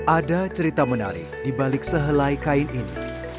ada cerita menarik dibalik sehelai kain ini